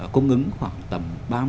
cung ứng khoảng tầm ba mươi ba mươi năm